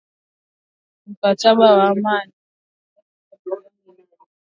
na kuendelea hadi mwaka elfu mbili na kumi na tatu baada ya kusambaratika kwa mkataba wa amani